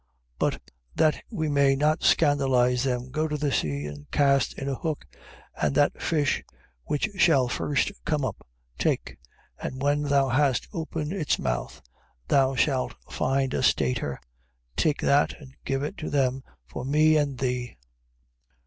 17:26. But that we may not scandalize them, go to the sea, and cast in a hook: and that fish which shall first come up, take: and when thou hast opened it's mouth, thou shalt find a stater: take that, and give it to them for me and thee.